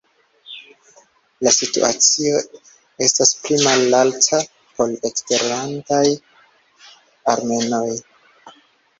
La situacio estas pli malalta por eksterlandaj armenoj.